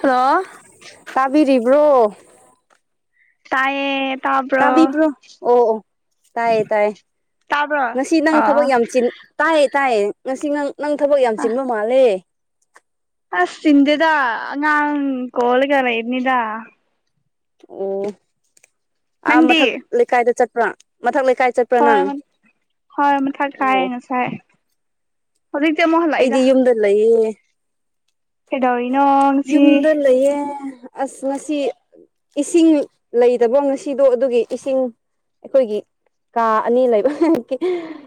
Hello ꯇꯥꯕꯤꯔꯤꯕ꯭ꯔꯣ ꯇꯥꯏꯌꯦ ꯇꯥꯕ꯭ꯔꯣ ꯇꯥꯕꯤꯕ꯭ꯔꯣ ꯑꯣ ꯑꯣ ꯇꯥꯏꯌꯦ ꯇꯥꯏꯌꯦ ꯇꯥꯕ꯭ꯔꯣ ꯉꯁꯤ ꯅꯪ ꯊꯕꯛ ꯑ ꯌꯥꯝ ꯆꯤꯟ ꯇꯥꯏꯌꯦ ꯇꯥꯏꯌꯦ ꯉꯁꯤ ꯅꯪ ꯅꯪ ꯊꯕꯛ ꯌꯥꯝ ꯆꯤꯟꯕ ꯃꯥꯜꯂꯦ ꯑꯁ ꯁꯤꯟꯗꯦꯗꯥ ꯑꯉꯥꯟ ꯀꯣꯜꯂꯒ ꯂꯩꯕꯅꯤꯗ ꯑꯣ ꯑꯥ ꯅꯪꯗꯤ ꯃꯊꯛ ꯂꯩꯀꯥꯏꯗ ꯆꯠꯄ꯭ꯔꯥ ꯃꯊꯛ ꯂꯩꯀꯥꯏ ꯆꯠꯄ꯭ꯔꯥ ꯍꯣꯏ ꯅꯪ ꯍꯣꯏ ꯃꯊꯛ ꯀꯥꯏ ꯑꯣ ꯉꯁꯥꯏ ꯍꯧꯖꯤꯛꯇꯤ ꯑꯃꯨꯛ ꯍꯜꯂꯛꯏꯗ ꯑꯩꯗꯤ ꯌꯨꯝꯗ ꯂꯩꯌꯦ ꯀꯩꯗꯧꯔꯤꯅꯣ ꯉꯁꯤ ꯌꯨꯝꯗ ꯂꯩꯌꯦ ꯑꯁ ꯉꯁꯤ ꯏꯁꯤꯡ ꯂꯩꯇꯕꯣ ꯉꯁꯤꯗꯣ ꯑꯗꯨꯒꯤ ꯏꯁꯤꯡ ꯑꯩꯈꯣꯏꯒꯤ ꯀꯥ ꯑꯅꯤ ꯂꯩꯕ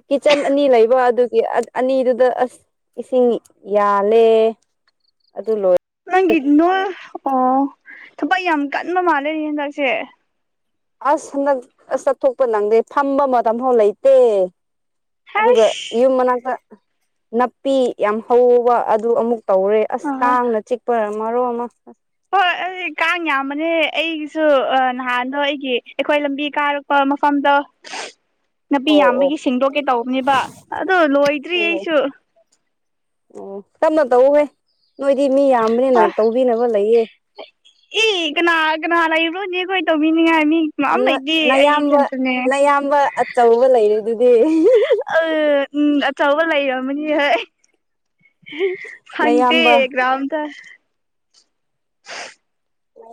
ꯀꯤꯠꯆꯟ ꯑꯅꯤ ꯂꯩꯕ ꯑꯗꯨꯒꯤ ꯑꯅꯤꯗꯨꯗ ꯑꯁ ꯏꯁꯤꯡ ꯌꯥꯜꯂꯦ ꯑꯗꯨ ꯂꯣꯏ ꯅꯪꯒꯤ ꯅꯣꯢ ꯑꯣ ꯊꯨꯕꯛ ꯌꯥꯝ ꯀꯟꯕ ꯃꯥꯜꯂꯦꯅꯦ ꯍꯥꯟꯗꯥꯛꯁꯦ ꯑꯁ ꯍꯟꯗꯛ ꯑꯁ ꯆꯠꯊꯣꯛꯄ ꯅꯪꯗꯦ ꯐꯝꯕ ꯃꯇꯝ ꯐꯥꯎ ꯂꯩꯇꯦ ꯑꯗꯨꯒ ꯌꯨꯝ ꯍꯩꯁ ꯃꯅꯥꯛꯇ ꯅꯥꯄꯤ ꯌꯥꯝ ꯍꯧꯕ ꯑꯗꯨ ꯑꯃꯨꯛ ꯇꯧꯔꯦ ꯑ ꯑꯁ ꯀꯥꯡꯅ ꯆꯤꯛꯄ ꯃꯔꯣꯟ ꯑꯃ ꯑꯁ ꯍꯣꯏ ꯑꯩ ꯀꯥꯡ ꯌꯥꯝꯕꯅꯦ ꯑꯩꯒꯤꯁꯨ ꯅꯍꯥꯟꯗꯣ ꯑꯩꯒꯤ ꯑꯩꯈꯣꯏ ꯂꯝꯕꯤ ꯀꯥꯔꯛ ꯄ ꯃꯐꯝꯗ‌ꯣ ꯅꯥꯄꯤ ꯑꯣ ꯑꯣ ꯌꯥꯝꯕꯒꯤ ꯁꯦꯡꯗꯣꯛꯀꯦ ꯇꯧꯕꯅꯦꯕ ꯑꯗꯨ ꯂꯣꯏꯗ꯭ꯔꯤ ꯑꯣ ꯑꯩꯁꯨ ꯑꯣ ꯇꯞꯅ ꯇꯧꯋ‌ꯣꯍ‌ꯦ ꯅꯣꯏꯗꯤ ꯃꯤ ꯌꯥꯝꯕꯅꯦꯅ ꯇꯧꯕꯤꯅꯕ ꯂꯩꯌꯦ ꯏ ꯀꯅꯥ ꯀꯅꯥ ꯂꯩꯕꯔꯣꯅꯦ ꯑꯩꯈꯣꯢ ꯇꯧꯕꯤꯅꯤꯉꯥꯢ ꯃꯤ ꯀꯅꯥꯝ ꯂꯩꯇꯦ ꯑꯩ ꯅꯌꯥꯝꯕ ꯏꯊꯟꯇꯅꯦ ꯅꯌꯥꯝꯕ ꯑꯆꯧꯕ ꯂꯩꯔꯤꯗꯨꯗꯤ ꯑ ꯎꯝ ꯑꯆꯧꯕ ꯂꯩꯔꯝꯃꯅꯤ ꯍꯣꯏ ꯐꯪꯇꯦ ꯅꯌꯥꯝꯕ ꯒꯔꯧꯟꯗ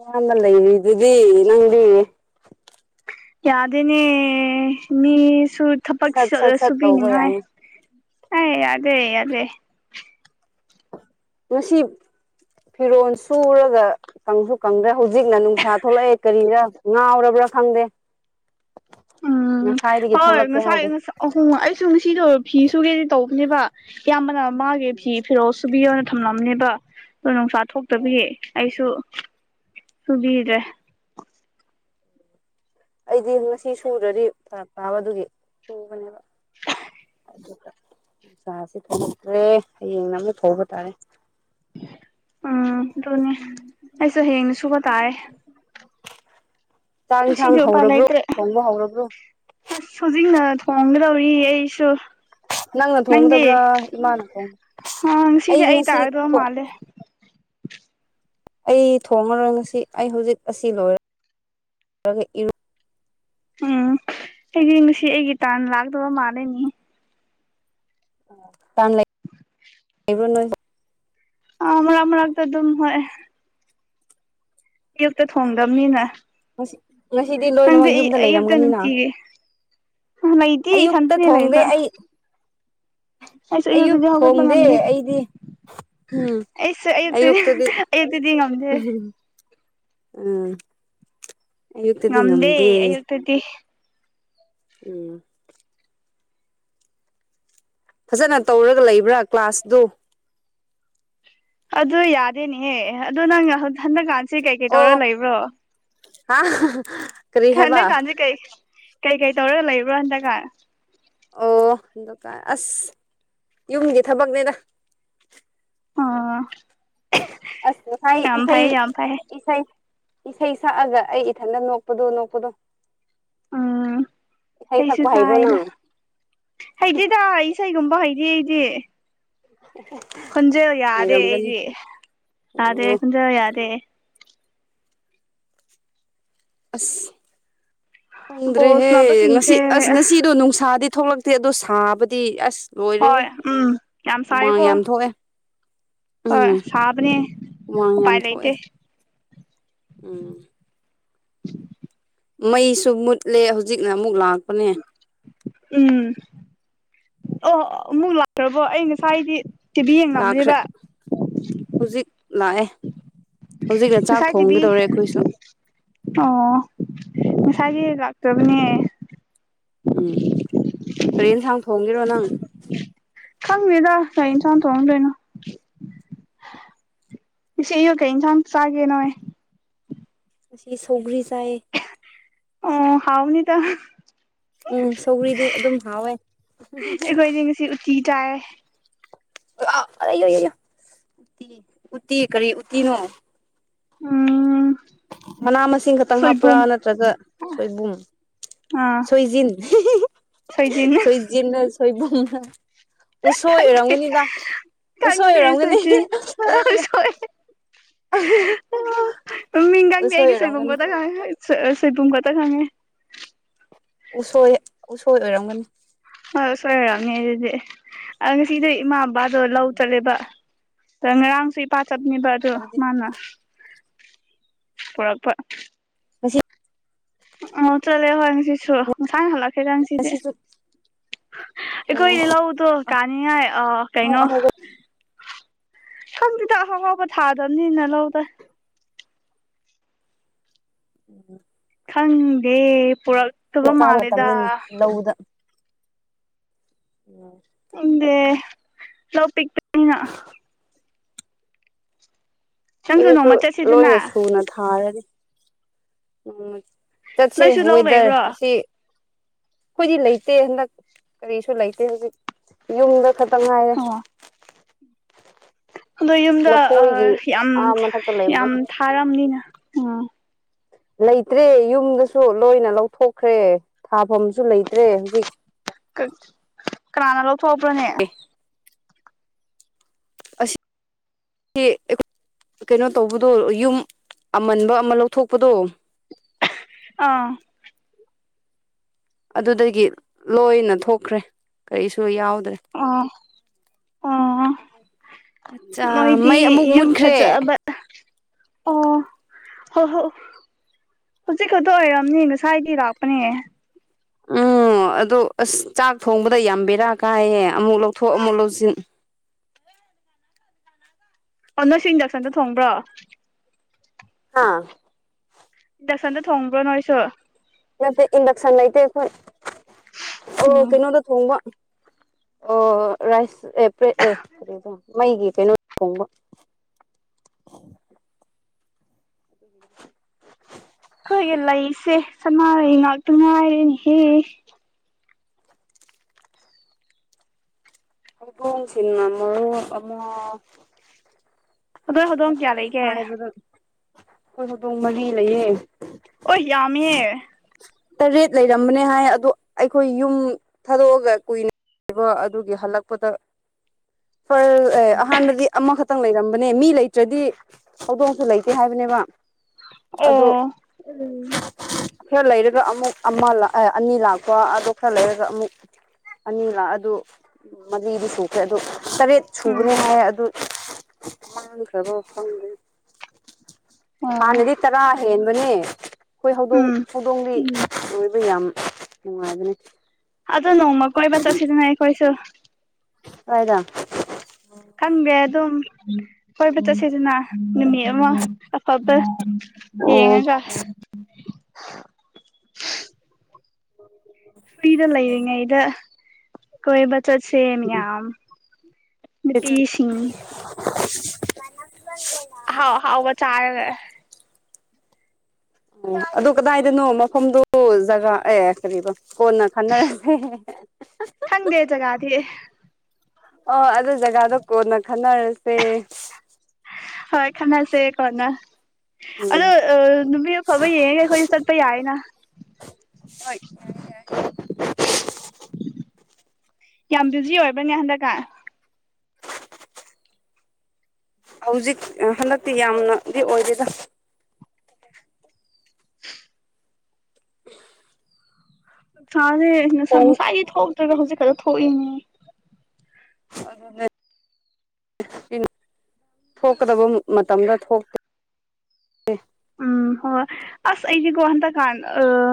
ꯑꯍꯥꯟꯕ ꯂꯩꯔꯤꯗꯨꯗꯤ ꯅꯪꯗꯤ ꯌꯥꯗꯦꯅꯦ ꯃꯤꯁꯨ ꯊꯕꯛꯁꯤ ꯁꯠ ꯁꯠ ꯆꯠꯂ ꯁꯠ ꯇꯧꯕ ꯁꯨꯕꯤꯅꯤꯉꯥꯏ ꯌꯥꯏꯅꯤ ꯍꯥꯏ ꯌꯥꯗꯦ ꯌꯥꯗꯦ ꯉꯁꯤ ꯐꯤꯔꯣꯜ ꯁꯨꯔꯒ ꯀꯪꯁꯨ ꯀꯪꯗ꯭ꯔꯦ ꯍꯧꯖꯤꯛꯅ ꯅꯨꯡꯁꯥ ꯊꯣꯛꯂꯛꯑꯦ ꯀꯔꯤꯔꯥ ꯉꯥꯎꯔꯕ꯭ꯔꯥ ꯈꯪꯗꯦ ꯉꯁꯥꯏꯗꯒꯤ ꯊꯣꯛꯂꯛꯀꯦ ꯍꯥꯏꯗ‌ꯦ ꯑꯍꯣ ꯑꯩꯁꯨ ꯉꯁꯤꯗ ꯐꯤ ꯁꯨꯒꯦꯗꯤ ꯇꯧꯕꯅꯦꯕ ꯏꯌꯥꯝꯕꯅ ꯃꯥꯒꯦ ꯐꯤ ꯐꯤꯔꯣꯜ ꯁꯨꯕꯤꯌꯣꯅ ꯊꯝꯂꯝꯅꯦꯕ ꯑꯗꯣ ꯅꯨꯡꯁꯥ ꯊꯣꯛꯇꯕꯤꯌꯦ ꯑꯩꯁꯨ ꯁꯨꯕꯤꯗ꯭ꯔꯦ ꯑꯩꯗꯤ ꯉꯁꯤ ꯁꯨꯗ꯭ꯔꯗꯤ ꯐꯔꯛ ꯇꯥꯕꯗꯨꯒꯤ ꯁꯨꯕꯅꯦꯕ [inaudible] ꯅꯨꯡꯁꯥꯁꯦ ꯊꯣꯡꯂꯛꯇ꯭ꯔꯦ ꯍꯌꯦꯡꯅ ꯑꯃꯛ ꯐꯧꯕ ꯇꯥꯔꯦ ꯎꯝ ꯑꯗꯨꯅꯦ ꯑꯩꯁꯨ ꯍꯌꯦꯡꯅ ꯁꯨꯕ ꯇꯥꯔꯦ ꯆꯥꯛ ꯏꯟꯁꯥꯡ ꯉꯁꯤꯗꯤ ꯎꯄꯥꯏ ꯍꯧꯔꯕ꯭ꯔꯣ ꯂꯩꯇ꯭ꯔꯦ ꯊꯣꯡꯕ ꯍꯧꯔꯕ꯭ꯔꯣ ꯑꯁ ꯍꯧꯖꯤꯛꯅ ꯊꯣꯡꯒꯗꯧꯔꯤ ꯑꯩꯁꯨ꯫ ꯅꯪꯅ ꯅꯪꯗꯤ ꯊꯣꯡꯒꯗꯕ꯭ꯔꯥ ꯏꯃꯥꯅ ꯊꯣꯡꯕ ꯑꯥ ꯉꯁꯤꯗꯤ ꯑꯩ ꯉꯁꯤ ꯇꯥꯒꯗꯧꯕ ꯊꯣꯡ ꯃꯥꯜꯂꯦ꯫ ꯑꯩ ꯊꯣꯉꯔꯣꯏ ꯉꯁꯤ ꯑꯩ ꯍꯧꯖꯤꯛ ꯑꯁꯤ ꯂꯣꯏꯔꯒ ꯏꯔꯨ꯫ ꯎꯝ ꯑꯩꯗꯤ ꯉꯁꯤ ꯑꯩꯒꯤ ꯇꯥꯟ ꯂꯥꯛꯇꯕ ꯃꯥꯜꯂꯦꯅꯦꯍꯦ꯫ ꯇꯥꯟ ꯂꯩ ꯂꯩꯕ꯭ꯔꯣ ꯅꯣꯏꯕꯣ꯫ ꯑꯥ ꯃꯔꯥꯛ ꯃꯔꯥꯛ ꯗ ꯑꯗꯨꯝ ꯍꯣꯢ꯫ ꯑꯌꯨꯛꯇ ꯊꯣꯡꯗꯝꯅꯤꯅ꯫ ꯉꯁꯤ ꯉꯁꯤꯗꯤ ꯂꯣꯏꯅꯃꯛ ꯌꯨꯝꯗ ꯑꯌꯨꯛꯇ ꯂꯩꯔꯝꯒꯅꯤꯅ꯫ ꯅꯨꯡꯇꯤꯒꯤ ꯂꯩꯇꯦ ꯑꯌꯨꯛꯇ ꯏꯊꯟꯇꯅꯦ ꯊꯣꯡꯗꯦ ꯂꯩꯕ ꯑꯩ꯫ ꯑꯩꯁꯨ ꯑꯌꯨꯛ ꯑꯌꯨꯛꯇꯗꯤ ꯍꯧꯒꯠꯄ ꯊꯣꯡꯗꯦ ꯉꯝꯗꯦ ꯑꯩꯗꯤ꯫ ꯎꯝ ꯑꯌꯨꯛꯇꯗꯤ ꯑꯌꯨꯛꯇꯗꯤ ꯉꯝꯗꯦ ꯍꯨꯝ ꯑꯝ ꯉꯝꯗꯦ ꯑꯌꯨꯛꯇꯗꯤ꯫ ꯎꯝ꯫ ꯐꯖꯅ ꯇꯧꯔꯒ ꯂꯩꯕ꯭ꯔꯥ ꯀ꯭ꯂꯥꯁꯗꯨ꯫ ꯑꯗꯨ ꯌꯥꯗꯦꯅꯦꯍꯦ ꯑꯗꯣ ꯅꯪ ꯍꯟꯗꯛꯀꯥꯟꯁꯦ ꯀꯩꯀꯩ ꯇꯧꯔ ꯂꯩꯕ꯭ꯔꯣ꯫ ꯑꯍꯥꯍꯥ ꯍꯟꯗꯛꯀꯥꯟꯁꯤ ꯀꯩ ꯀꯩꯀꯩ ꯇꯧꯔꯒ ꯂꯩꯕ꯭ꯔꯣ ꯍꯟꯗꯛꯀꯥꯟ꯫ ꯑꯣ ꯍꯟꯗꯛꯀꯥꯟ ꯑꯁ ꯌꯨꯝꯒꯤ ꯊꯕꯛꯅꯦꯗ꯫ ꯑꯥ꯫ ꯑꯁ ꯉꯁꯥꯏ ꯏꯁꯩ ꯏꯁꯩ ꯏꯁꯩ ꯁꯛꯑꯒ ꯑꯩ ꯏꯊꯟꯗ ꯅꯣꯛꯄꯗꯣ ꯅꯣꯛꯄꯗꯣ꯫ ꯎꯝ ꯏꯁꯩ ꯁꯛꯄ ꯍꯥꯏꯕ꯭ꯔꯣ ꯅꯪ꯫ ꯍꯩꯇꯦꯗꯥ ꯏꯁꯩꯒꯨꯝꯕ ꯍꯩꯇꯦ ꯑꯩꯗꯤ꯫ [unintelligible] ꯈꯣꯟꯖꯦꯜ ꯌꯥꯗꯦ ꯍꯩꯔꯝꯒꯅꯤ ꯑꯩꯗꯤ ꯌꯥꯗꯦ ꯑꯣ ꯈꯣꯟꯖꯦꯜ ꯌꯥꯗꯦ꯫ ꯑꯁ ꯕꯣꯜ ꯈꯪꯗ꯭ꯔꯦꯍꯦ ꯉꯁꯤ ꯁꯥꯟꯅꯕꯁꯤꯡꯁꯦ ꯑꯁ ꯉꯁꯤꯗꯣ ꯅꯨꯡꯁꯥꯗꯤ ꯊꯣꯛꯂꯛ ꯇꯦ ꯑꯗꯨ ꯁꯥꯕꯗꯤ ꯑꯁ ꯂꯣꯏꯔꯦꯍꯦ ꯍꯣꯏ ꯎꯝ ꯌꯥꯝ ꯍꯨꯃꯥꯡ ꯁꯥꯏꯀꯣ ꯌꯥꯝ ꯊꯣꯛꯑꯦ꯫ ꯍꯣꯏ ꯎꯝ ꯁꯥꯕꯅꯦ ꯍꯨꯃꯥꯡ ꯌꯥꯝ ꯎꯄꯥꯏ ꯊꯣꯛꯑꯦ ꯂꯩꯇꯦ ꯎꯝ꯫ ꯃꯩꯁꯨ ꯃꯨꯠꯂꯦ ꯍꯧꯖꯤꯛꯅ ꯑꯃꯨꯛ ꯂꯥꯛꯄꯅꯦ꯫ ꯎꯝ ꯑꯣ ꯑꯃꯨꯛ ꯂꯥꯛꯈ꯭ꯔꯕꯣ ꯑꯩ ꯉꯁꯥꯏꯗꯤ ꯇꯤꯚꯤ ꯂꯥꯛꯈ꯭ꯔꯦ ꯌꯦꯡꯉꯝꯕꯅꯦꯕ꯫ ꯍꯧꯖꯤꯛ ꯂꯥꯛꯑꯦ ꯍꯧꯖꯤꯛꯅ ꯆꯥꯛ ꯉꯁꯥꯏ ꯇꯤꯚꯤ ꯊꯣꯡꯒꯗꯧꯔꯦ ꯑꯈꯣꯏꯁꯨ꯫ ꯑꯣ ꯉꯁꯥꯏꯒꯤ ꯂꯥꯛꯇꯕꯅꯦ꯫ ꯎꯝ ꯀꯔꯤ ꯑꯦꯟꯁꯥꯡ ꯊꯣꯡꯒꯦꯔꯣ ꯅꯪ꯫ ꯈꯪꯗꯦꯗ ꯀꯔꯤ ꯏꯟꯁꯥꯡ ꯊꯣꯡꯗꯣꯏꯅꯣ꯫ ꯉꯁꯤ ꯑꯌꯨꯛ ꯀꯩ ꯏꯟꯁꯥꯡ ꯆꯥꯒꯦ ꯅꯣꯏ꯫ ꯉꯁꯤ ꯁꯧꯒ꯭ꯔꯤ ꯆꯥꯏꯌꯦ꯫ ꯑꯣ ꯍꯥꯎꯅꯤꯗ꯫ ꯎꯝ ꯁꯧꯒ꯭ꯔꯤꯗꯤ ꯑꯗꯨꯝ ꯍꯥꯎꯋꯦ ꯀꯤ ꯇꯥꯏꯌꯦ꯫ [unintelligible] ꯑ ꯎ [unintelligible] ꯎꯇꯤ ꯀꯔꯤ ꯎꯇꯤ ꯅꯣ ꯎꯝ꯫ ꯃꯅꯥ ꯃꯁꯤꯡ ꯈꯛꯇꯪ ꯁꯣꯏꯕꯨꯝ ꯍꯥꯞꯄ꯭ꯔꯥ ꯅꯠꯇ꯭ꯔꯒ ꯁꯣꯏꯕꯨꯝ꯫ ꯑꯥ ꯁꯣꯏꯖꯤꯟ [unintelligible] ꯁꯣꯏꯖꯤꯟ ꯁꯣꯏꯖꯤꯟ ꯅ ꯁꯣꯏꯕꯨꯝ꯫ ꯎꯁꯣꯏ ꯈꯪꯗꯦ ꯑꯣꯏꯔꯝꯒꯅꯤꯗ ꯎꯁꯣꯏ ꯈꯪꯗꯦ ꯑꯣꯏꯔꯝꯒꯅꯤ ꯑꯌꯣ ꯁꯣꯏꯖꯤꯟ ꯌꯣ ꯌꯣ꯫ ꯁꯣꯏ ꯃꯃꯤꯡ ꯈꯪꯗꯦ ꯎꯁꯣꯏ ꯑꯩꯗꯤ ꯁꯣꯏꯕꯨꯝ ꯑꯣꯏꯔꯝꯒꯅꯤ ꯈꯛꯇꯪ ꯁꯣꯢ ꯑ ꯁꯣꯢꯕꯨꯝ ꯈꯇꯪ ꯍꯥꯢꯕꯅꯤ ꯎꯁꯣꯏ ꯎꯁꯣꯏ ꯑꯣꯏꯔꯝꯒꯅꯤ꯫ ꯍꯣꯏ ꯎꯁꯣꯏ ꯑꯣꯢꯔꯝꯅꯤ ꯑꯗꯨꯗꯤ ꯑ ꯉꯁꯤꯗꯤ ꯏꯃꯥ ꯕꯥꯗꯣ ꯂꯧ ꯆꯠꯂꯦꯕ꯫ ꯉꯔꯥꯡꯁꯨ ꯏꯄꯥ ꯆꯠꯄꯅꯦꯕ ꯑꯗꯨ ꯑꯗꯨꯗꯤ ꯃꯥꯅ ꯄꯣꯔꯛꯄ꯫ ꯉꯁꯤ꯫ ꯑꯥ ꯆꯠꯂꯦ ꯍꯣꯏ ꯉꯁꯤꯁꯨ ꯉꯥꯁꯥꯏ ꯍꯜꯂꯛ꯫ ꯍꯩꯔꯥꯡꯁꯤꯗꯤ ꯉꯁꯤꯁꯨ ꯑꯣ ꯑꯩꯈꯣꯏꯗꯤ ꯂꯧꯗꯣ ꯀꯥꯅꯤꯡꯉꯥꯏ ꯑ꯫ ꯑꯍꯥꯎ ꯀꯩꯅꯣ ꯑꯍꯥꯎ ꯈꯪꯗꯦꯗ ꯑꯍꯥꯎꯍꯥꯎꯕ ꯊꯥꯗꯕꯅꯤꯅ ꯂꯧꯗ꯫ ꯎꯝ꯫ ꯈꯪꯗꯦ ꯄꯨꯔꯛꯇꯕ ꯃꯥꯜꯂꯦꯗ꯫ ꯍꯧꯗ꯫ [unintelligible] ꯎꯝ꯫ ꯈꯪꯗꯦ ꯂꯧ ꯄꯤꯛꯄꯅꯤꯅ꯫ ꯅꯪꯁꯨ ꯑꯩꯒꯤꯁꯨ ꯅꯣꯡꯃ ꯆꯠꯁꯤꯗꯅ ꯂꯣꯏꯅ ꯁꯨꯅ ꯊꯥꯔꯅꯤ꯫ ꯎꯝ ꯆꯠꯁꯦ ꯅꯣꯏꯁꯨ ꯂꯧ ꯋꯦꯗꯔ ꯂꯩꯕ꯭ꯔꯣ ꯑꯁꯤ꯫ ꯑꯩꯈꯣꯏꯗꯤ ꯂꯩꯇꯦ ꯍꯟꯗꯛ ꯀꯔꯤꯁꯨ ꯂꯩꯇꯦ ꯍꯧꯖꯤꯛ ꯌꯨꯝꯗ ꯈꯛꯇ ꯉꯥꯏꯔꯦ꯫ ꯑꯣ ꯑꯗꯣ ꯌꯨꯝꯗ ꯑ ꯂꯐꯣꯏꯒꯤ ꯌꯥꯝ ꯑꯥ ꯃꯊꯛꯇ ꯌꯥꯝ ꯂꯩꯕꯗꯨ ꯊꯥꯔꯝꯅꯤꯅ ꯎꯝ꯫ ꯂꯩꯇ꯭ꯔꯦ ꯌꯨꯝꯗꯁꯨ ꯂꯣꯏꯅ ꯂꯧꯊꯣꯛꯈ꯭ꯔꯦ ꯊꯥꯐꯝꯁꯨ ꯂꯩꯇ꯭ꯔꯦ ꯍꯧꯖꯤꯛ꯫ ꯀꯛ ꯀꯅꯥꯅ ꯂꯧꯊꯣꯛꯄ꯭ꯔꯣꯅꯦ꯫ ꯑꯁꯤ꯫ ꯁꯤ ꯑꯩꯈꯣꯏ ꯀꯩꯅꯣ ꯇꯧꯕꯗꯣ ꯌꯨꯝ ꯑꯃꯟꯕ ꯑꯃ ꯂꯧꯊꯣꯛꯄꯗꯣ꯫ ꯑꯥ꯫ ꯑꯗꯨꯗꯒꯤ ꯂꯣꯏꯅ ꯊꯣꯛꯈ꯭ꯔꯦ ꯀꯔꯤꯁꯨ ꯌꯥꯎꯗ꯭ꯔꯦ꯫ ꯑꯣꯥ ꯑꯥ ꯑꯠꯆꯥ ꯅꯣꯏꯗꯤ ꯃꯩ ꯑꯃꯨꯛ ꯌꯨꯝ ꯃꯨꯠꯈ꯭ꯔꯦ ꯐꯖꯕ꯫ ꯑꯣ ꯍꯣ ꯍꯧ꯫ ꯍꯧꯖꯤꯛ ꯈꯛꯇ ꯑꯣꯏꯔꯝꯅꯤ ꯉꯁꯥꯏꯒꯤ ꯂꯥꯛꯄꯅꯦ꯫ ꯎꯝ ꯑꯗꯣ ꯑꯁ ꯆꯥꯛ ꯊꯣꯡꯕꯗ ꯌꯥꯝ ꯕꯦꯔꯥ ꯀꯥꯏꯌꯦ ꯑꯃꯨꯛ ꯂꯧꯊꯣꯛ ꯑꯃꯨꯛ ꯂꯧꯁꯤꯟ꯫ ꯑꯣ ꯅꯣꯢꯁꯤ ꯏꯟꯗꯛꯁꯟꯗ ꯊꯣꯡꯕ꯭ꯔꯣ꯫ ꯍꯥ ꯏꯟꯗꯛꯁꯟꯗ ꯊꯣꯡꯕ꯭ꯔꯣ ꯅꯣꯏꯁꯨ꯫ ꯅꯠꯇꯦ ꯏꯟꯗꯛꯁꯟ ꯂꯩꯇꯦ ꯑꯩꯈꯣꯏ ꯑꯣ ꯎꯝ ꯀꯩꯅꯣꯗ ꯊꯣꯡꯕ꯫ ꯑꯣ ꯔꯥꯏꯁ ꯑꯦ ꯄꯔꯦꯛ ꯑꯦ ꯃꯩꯒꯤ ꯀꯩꯅꯣꯗ ꯊꯣꯡꯕ꯫ ꯈꯣꯏꯒꯤꯂꯩ ꯁꯦ꯫ ꯁꯅꯔꯩ ꯉꯥꯛꯇꯉꯥꯏꯔꯅꯦ ꯍꯦ꯫ ꯍꯧꯗꯣꯡ ꯁꯤꯡꯅ ꯃꯔꯣꯟ ꯑꯃ꯫ ꯑꯗꯣꯢ ꯍꯧꯗꯣꯡ ꯀꯌꯥ ꯂꯩꯒꯦ꯫ ꯑꯈꯣꯏ ꯍꯧꯗꯣꯡ ꯃꯔꯤ ꯂꯩꯌꯦ꯫ ꯑꯣꯢ ꯌꯥꯝꯃꯤꯍꯦ꯫ ꯇꯔꯦꯠ ꯂꯩꯔꯝꯕꯅꯦ ꯍꯥꯏ ꯑꯗꯣ ꯑꯩꯈꯣꯏ ꯌꯨꯝ ꯊꯥꯗꯣꯛꯑꯒ ꯀꯨꯏꯅ꯫ ꯕ ꯑꯗꯨꯒꯤ ꯍꯜꯂꯛꯄꯗ ꯐꯔꯦ ꯑꯦ ꯑꯍꯥꯟꯕꯗꯤ ꯑꯃꯈꯛꯇꯪ ꯂꯩꯔꯝ ꯕꯅꯦ ꯃꯤ ꯂꯩꯇ꯭ꯔꯗꯤ ꯍꯧꯗꯣꯡꯁꯨ ꯂꯩꯇꯦ ꯍꯥꯏꯕꯅꯦꯕ ꯑꯣ ꯑꯗꯣ꯫ ꯎꯝ ꯈꯔ ꯂꯩꯔꯒ ꯑꯃꯨꯛ ꯑꯃ ꯂꯥꯛꯑꯦ ꯑꯅꯤ ꯂꯥꯛꯄ ꯑꯗꯣ ꯈꯔ ꯂꯩꯔꯒ ꯑꯃꯨꯛ꯫ ꯑꯅꯤꯂ ꯑꯗꯨ ꯃꯔꯤꯗꯤ ꯁꯨꯈ꯭ꯔꯦ ꯑꯗꯨ ꯇꯔꯦꯠ ꯎꯝ ꯁꯨꯕꯅꯦ ꯍꯥꯏꯌꯦ ꯑꯗꯨ꯫ ꯃꯥꯡꯈꯔꯕꯔ ꯑꯣ ꯍꯟꯅꯗꯤ꯫ ꯇꯔꯥ ꯍꯦꯟꯕꯅꯦ ꯑꯩꯈꯣꯏ ꯍꯧꯗꯣꯡ ꯎꯝ ꯍꯧꯗꯣꯡꯂꯤ ꯑꯗꯨ ꯌꯥꯝ ꯅꯨꯡꯉꯥꯏꯕꯅꯦ꯫ ꯑꯗꯣ ꯅꯣꯡꯃ ꯀꯣꯏꯕ ꯆꯠꯁꯤꯗꯅ ꯑꯩꯈꯣꯏꯁꯨ꯫ ꯀꯥꯏꯗ꯫ ꯈꯪꯒꯦ ꯑꯗꯨꯝ ꯀꯣꯏꯕ ꯆꯠꯁꯦꯗꯅ ꯅꯨꯃꯤꯠ ꯑꯃ꯫ ꯑꯐꯥꯕ ꯑꯣ ꯌꯦꯡꯉꯒ꯫ ꯐ꯭ꯔꯤꯗ ꯂꯩꯔꯤꯉꯩꯗ ꯀꯣꯏꯕ꯫ ꯆꯠꯁꯦ ꯃꯌꯥꯝ ꯅꯨꯄꯤꯁꯤꯡ꯫ [unintelligible] ꯍꯥꯎ ꯍꯥꯎꯕ ꯆꯥꯔꯒ ꯑꯣ ꯑꯗꯨ ꯀꯗꯥꯏꯗꯅꯣ ꯃꯐꯝꯗꯨ ꯖꯒꯥ ꯑꯦ ꯀꯔꯤꯑꯕ ꯀꯣꯟꯅ ꯈꯟꯅꯔꯁꯦ ꯊꯪꯗꯦ ꯖꯒꯥꯗꯤ ꯑꯣ ꯑꯗꯨ ꯖꯒꯥꯗꯣ ꯀꯣꯟꯅ ꯈꯟꯅꯔꯁꯦ ꯍꯣꯏ ꯈꯟꯅꯁꯦ ꯀꯣꯅ ꯎꯝ ꯑꯗꯣ ꯅꯨꯄꯤ ꯑꯐꯕ ꯌꯦꯡꯉꯒ ꯑꯩꯈꯣꯏꯁꯨ ꯆꯠ ꯇꯨ ꯌꯥꯏꯅ ꯍꯣꯏ ꯌꯥꯝ ꯕꯤꯖꯤ ꯑꯣꯏꯕ꯭ꯔꯅꯦ ꯍꯟꯗꯛꯀꯥꯟ ꯍꯧꯖꯤꯛ ꯍꯟꯗꯛꯇꯤ ꯌꯥꯝꯅꯗꯤ ꯑꯣꯏꯗꯦꯗ [inaudible] ꯎꯝ [inaudible] ꯁꯥꯔꯦ ꯉꯁꯥꯏꯒꯤ ꯊꯣꯛꯇ꯭ꯔꯒ ꯍꯧꯖꯤꯛ ꯈꯛꯇ ꯊꯣꯛꯏꯅꯦ ꯑꯗꯨ ꯊꯣꯛꯀꯗꯧꯕ ꯃꯇꯝꯗꯣ ꯊꯣꯛ ꯎꯝ ꯍꯣꯢ ꯑꯁ ꯑꯩꯗꯤꯀꯣ ꯍꯟꯗꯥꯛꯒꯥꯟ ꯑꯥ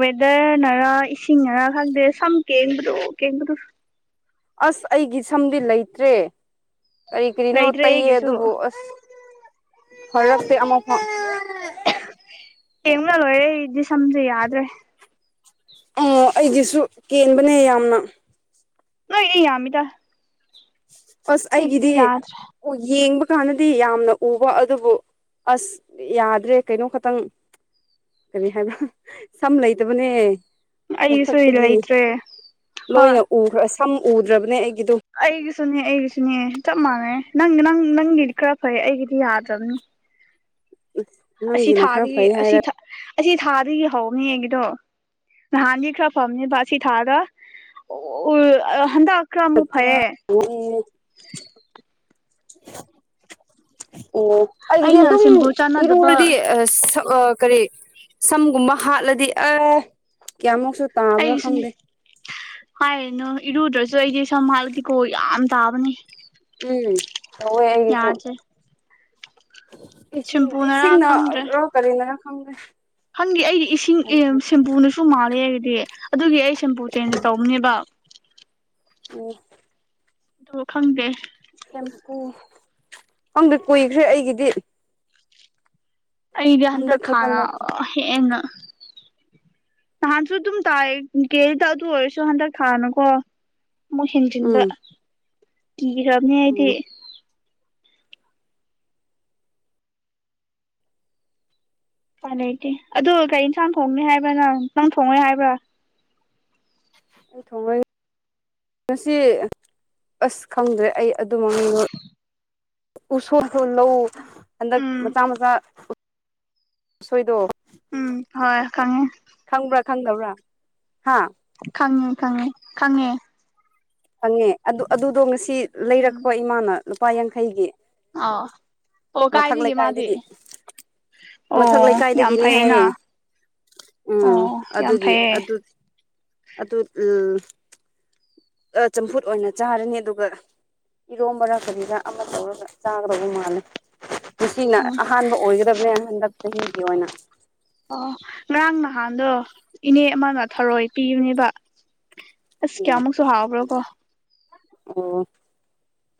ꯋꯦꯗꯔꯅꯔꯥ ꯏꯁꯤꯡꯅꯔꯥ ꯈꯪꯗꯦ ꯁꯝ ꯀꯦꯡꯕꯗꯨ ꯀꯦꯡꯕꯗꯨ ꯑꯁ ꯑꯩꯒꯤ ꯁꯝꯗꯤ ꯂꯩꯇ꯭ꯔꯦ ꯀꯔꯤ ꯀꯔꯤꯅꯣ ꯂꯩꯇ꯭ꯔꯦ ꯇꯩꯌꯦ ꯑꯩꯒꯤꯁꯨ ꯑꯗꯨꯕꯨ ꯑꯁ ꯄꯨꯔꯛꯇꯦ ꯑꯃꯐꯥꯎ ꯀꯦꯟꯕꯅ ꯂꯣꯏꯔꯦ ꯑꯩꯒꯤꯗꯤ ꯁꯝꯖꯦ ꯌꯥꯗ꯭ꯔꯦ ꯑꯣ ꯑꯩꯒꯤꯁꯨ ꯀꯦꯟꯕꯅꯦ ꯌꯥꯝꯅ ꯅꯣꯏꯒꯤꯗꯤ ꯌꯥꯝꯃꯤꯗ ꯑꯁ ꯑꯩꯒꯤꯗꯤ ꯌꯦꯡꯕ ꯀꯥꯟꯗꯗꯤ ꯌꯥꯝꯅ ꯎꯕ ꯑꯗꯨꯕꯨ ꯑꯁ ꯌꯥꯗ꯭ꯔꯦ ꯀꯩꯅꯣ ꯈꯇꯪ ꯀꯔꯤ ꯍꯥꯏꯕ꯭ꯔꯥ ꯁꯝ ꯂꯩꯇꯕꯅꯦ ꯑꯩꯒꯤꯁꯨ ꯃꯊꯛꯇꯒꯤ ꯂꯩꯇ꯭ꯔꯦ ꯍꯣꯏ ꯂꯣꯏꯅ ꯎꯈ꯭ꯔ ꯁꯝ ꯎꯗ꯭ꯔꯕꯅꯦ ꯑꯩꯒꯤꯗꯣ ꯑꯩꯒꯤꯁꯨꯅꯦ ꯑꯩꯒꯤꯁꯨꯅꯦ ꯆꯞ ꯃꯥꯟꯅꯩ ꯅꯪ ꯅꯪ ꯅꯪꯒꯤꯗꯤ ꯈꯔ ꯐꯩ ꯑꯩꯒꯤꯗꯤ ꯌꯥꯗ꯭ꯔꯕꯅꯦ ꯑꯁꯤ ꯅꯪꯒꯤꯅ ꯈꯔ ꯊꯥꯗꯤ ꯐꯩ ꯑꯁꯤ ꯍꯥꯏꯔ ꯑꯁꯤ ꯊꯥꯗꯒꯤ ꯍꯧꯅꯤ ꯑꯩꯒꯤꯗꯣ ꯅꯍꯥꯟꯗꯤ ꯈꯔ ꯐꯕꯅꯦꯕ ꯑꯁꯤ ꯊꯥꯗ ꯎ ꯍꯥꯟꯗꯥꯛ ꯇꯄ꯭ꯔ [unintelligible] ꯎꯝ ꯑꯣ ꯑꯩꯒꯤꯗꯤ ꯑꯩꯅ ꯑꯗꯨꯝ ꯁꯦꯝꯄꯨ ꯆꯥꯟꯅꯗꯕ ꯏꯔꯨꯔꯗꯤ ꯀꯔꯤ ꯁꯝꯒꯨꯝꯕ ꯍꯥꯠꯂꯗꯤ ꯑꯦ ꯀꯌꯥꯃꯨꯛ ꯑꯩꯒꯤꯁꯨꯅꯦ ꯍꯥꯏꯅꯨ ꯏꯔꯨꯗ꯭ꯔꯁꯨ ꯑꯩꯗꯤ ꯁꯝ ꯍꯠꯂꯗꯤꯀꯣ ꯌꯥꯝ ꯇꯥꯕꯅꯦ ꯎꯝ ꯇꯧꯋꯦ ꯑꯩꯒꯤꯁꯨ ꯌꯥꯗ꯭ꯔꯦ ꯏꯁꯤꯡ ꯁꯦꯝꯄꯨꯅꯔꯥ ꯏꯁꯤꯡꯅ ꯔꯣ ꯀꯔꯤꯅꯔꯣ ꯈꯪꯗꯦ ꯍꯪꯗꯦ ꯑꯩꯗꯤ ꯏꯁꯤꯡ ꯁꯦꯝꯄꯨꯅꯁꯨ ꯃꯥꯜꯂꯦ ꯑꯩꯗꯤ ꯑꯗꯨꯒꯤ ꯑꯩ ꯁꯦꯝꯄꯨ ꯆꯦꯟꯖ ꯇꯧꯕꯅꯦꯕ ꯑꯝ ꯑꯣ ꯈꯪꯗꯦ ꯁꯦꯝꯄꯨ ꯈꯪꯗꯦ ꯀꯨꯏꯈ꯭ꯔꯦ ꯑꯩꯒꯤꯗꯤ ꯑꯩꯗꯤ ꯍꯥꯟꯗꯥꯛ ꯍꯟꯗꯛ ꯈꯛꯇꯪ ꯊꯥꯅ ꯅꯠꯇꯦ ꯍꯦꯟꯅ ꯅꯍꯥꯟꯁꯨ ꯑꯗꯨꯝ ꯇꯥꯏꯑꯦ ꯀꯦꯔꯤ [unintelligible] ꯑꯗꯨ ꯑꯣꯏꯔꯁꯨ ꯍꯟꯗꯛ ꯊꯥꯅꯒꯣ ꯑꯃꯨꯛ ꯍꯦꯟꯖꯤꯟꯕ ꯎꯝ ꯀꯤꯈ꯭ꯔꯕꯅꯦ ꯑꯩꯗꯤ ꯎꯝ ꯎꯄꯥꯢ ꯂꯩꯩꯇꯦ ꯑꯗꯣ ꯀꯔꯤ ꯌꯦꯟꯁꯥꯡ ꯊꯣꯡꯅꯤ ꯍꯥꯏꯕ ꯅꯪ ꯊꯣꯡꯉꯣꯢ ꯍꯥꯏꯕ꯭ꯔꯥ ꯑꯩ ꯊꯣꯡꯉꯣꯢ ꯉꯁꯤ ꯑꯁ ꯑꯩ ꯈꯪꯗ꯭ꯔꯦ ꯑꯩ ꯑꯗꯨ ꯃꯃꯤꯡꯗꯣ ꯎꯁꯣꯢꯁꯨ ꯂꯧ ꯍꯟꯗꯛ ꯎꯝ ꯃꯆꯥ ꯃꯆꯥ ꯎꯁꯣꯏꯗꯣ ꯎꯝ ꯍꯣꯏ ꯈꯪꯉꯦ ꯈꯪꯕ꯭ꯔꯥ ꯈꯪꯗꯕ꯭ꯔꯥ ꯍꯥ ꯈꯪꯉꯦ ꯈꯪꯉꯦ ꯈꯪꯉꯦ ꯈꯪꯉꯦ ꯑꯗꯨ ꯑꯗꯨꯗꯣ ꯉꯁꯤ ꯎꯝ ꯂꯩꯔꯛꯄ ꯏꯃꯥꯅ ꯂꯨꯄꯥ ꯌꯥꯡꯈꯩꯒꯤ ꯑꯣ ꯑꯣ ꯃꯥꯊꯛ ꯀꯥꯏꯗꯒꯤ ꯃꯥꯗꯤ ꯂꯩꯀꯥꯏꯗꯒꯤ ꯃꯥꯊꯛ ꯑꯣ ꯌꯥꯝ ꯂꯩꯀꯥꯏꯗꯒꯤꯅꯦ ꯐꯩꯌꯦꯅ ꯍꯥꯏꯌꯦ ꯎꯝ ꯑꯣ ꯌꯥꯝ ꯑꯗꯨꯒꯤ ꯐꯩꯌꯦ ꯑꯗꯨ ꯑꯗꯨ ꯎꯜ ꯑꯥ ꯆꯝꯐꯨꯠ ꯑꯣꯏꯅ ꯆꯥꯔꯅꯤ ꯑꯗꯨꯒ ꯏꯔꯣꯝꯕꯔꯥ ꯀꯔꯤꯔ ꯑꯃ ꯇꯧꯔꯒ ꯆꯥꯒꯗꯧꯕ ꯃꯥꯜꯂꯦ ꯉꯁꯤꯅ ꯑꯍꯥꯟꯕ ꯑꯣꯏꯒꯗꯕꯅꯦ ꯍꯟꯗꯛ ꯆꯍꯤꯒꯤ ꯑꯣꯏꯅ ꯑꯣ ꯉꯔꯥꯡ ꯅꯍꯥꯟꯗꯣ ꯏꯅꯦ ꯑꯃꯅ ꯊꯔꯣꯏ ꯄꯤꯕꯅꯦꯕ ꯑꯁ ꯎꯝ ꯀꯌꯥꯃꯨꯛꯁꯨ ꯍꯥꯎꯒ꯭ꯔꯥꯕ ꯑꯣ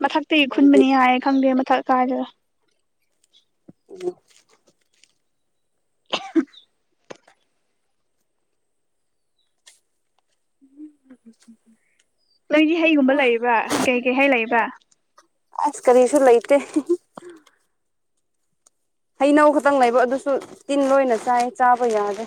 ꯃꯥꯊꯛꯇꯒꯤ ꯍꯣꯏꯗꯤ ꯈꯨꯟꯕꯅꯦ ꯍꯥꯏꯌꯦ ꯈꯪꯗꯦ ꯃꯊꯛ ꯀꯥꯏꯗꯥꯔ [unintelligible] [unintelligible] ꯅꯣꯏꯗꯤ ꯍꯩꯒꯨꯝꯕ ꯎ ꯂꯩꯕ꯭ꯔꯥ ꯀꯩ ꯀꯩ ꯍꯩ ꯂꯩꯕ ꯑꯁ ꯀꯔꯤꯁꯨ ꯂꯩꯇꯦ [unintelligible] ꯍꯩꯅꯧ ꯈꯛꯇꯪ ꯂꯩꯕ ꯑꯗꯨꯁꯨ ꯇꯤꯟ ꯂꯣꯏꯅ ꯆꯥꯏꯌꯦ ꯆꯥꯕ ꯌꯥꯗꯦ